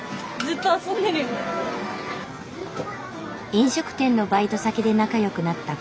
飲食店のバイト先で仲良くなった２人。